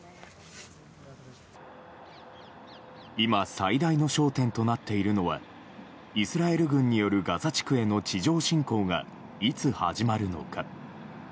今、最大の焦点となっているのはイスラエル軍によるガザ地区への地上侵攻がいつ始まるのか。